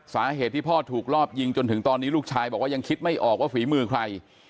สาเหตุที่พ่อถูกรอบยิงจนถึงตอนนี้ลูกชายบอกว่ายังคิดไม่ออกว่าฝีมือใคร